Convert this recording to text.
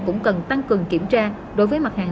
cũng cần tăng cường kiểm tra đối với mặt hàng